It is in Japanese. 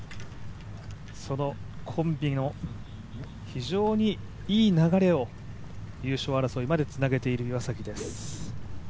そのコンビの非常にいい流れを優勝争いまでつなげている岩崎です。